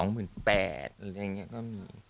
หรืออะไรอย่างนี้ก็มี